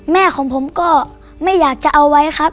แม่ของผมก็ไม่อยากจะเอาไว้ครับ